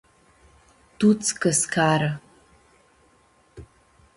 Tuts cãscara.